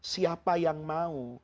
siapa yang mau